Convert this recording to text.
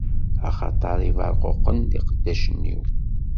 Axaṭer Ibeṛquqen d iqeddacen-iw.